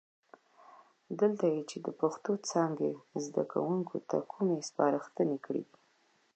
دلته یې چې د پښتو څانګې زده کوونکو ته کومې سپارښتنې کړي دي،